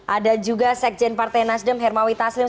ada juga sekjen partai nasdem hermawi taslim